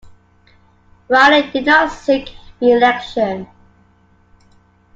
Riley did not seek re-election.